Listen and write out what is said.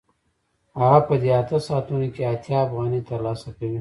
هغه په دې اته ساعتونو کې اتیا افغانۍ ترلاسه کوي